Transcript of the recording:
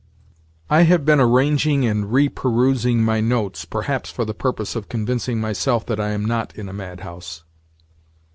I have been arranging and re perusing my notes (perhaps for the purpose of convincing myself that I am not in a madhouse).